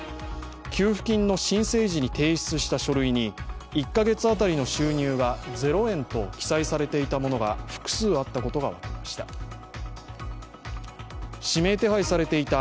給付金の申請時に提出した書類に、１カ月当たりの収入が０円と記載されていたものが複数あったことが分かりました。